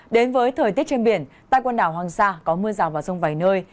đến với thời tiết trên biển tại quần đảo hoàng sa có mưa rào và rông vài nơi